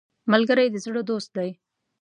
ملګری د زړه دوست دی